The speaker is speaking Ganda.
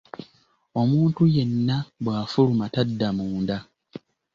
Omuntu yenna bw'afuluma tadda munda.